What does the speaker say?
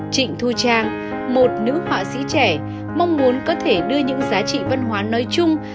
trịnh thu trang một nữ họa sĩ trẻ mong muốn có thể đưa những giá trị văn hóa nói chung